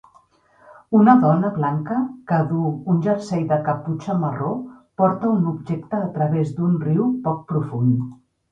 Una dona blanca que duu un jersei de caputxa marró porta un objecte a través d'un riu poc profund